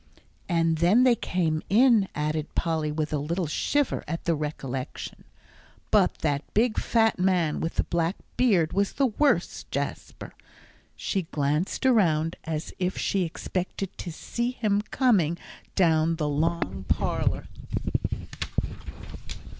"And then they came in," added Polly, with a little shiver at the recollection. "But that big fat man with the black beard was the worst, Jasper." She glanced around as if she expected to see him coming down the long parlour.